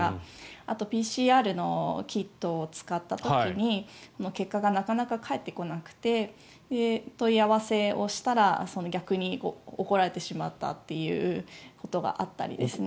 あと、ＰＣＲのキットを使った時に結果がなかなか返ってこなくて問い合わせをしたら逆に怒られてしまったということがあったりですね。